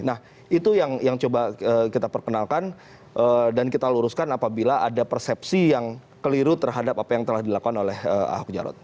nah itu yang coba kita perkenalkan dan kita luruskan apabila ada persepsi yang keliru terhadap apa yang telah dilakukan oleh ahok jarot